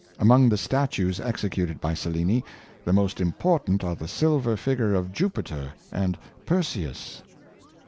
Among the statues executed by Cellini, the most important are the silver figure of Jupiter and Perseus.